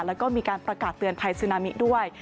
แล้วก็มีการประกาศเตือนภัยซึนามิด้วย